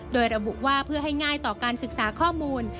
โดยระบุว่าเพื่อให้ง่ายต่อการศึกษาข้อมูล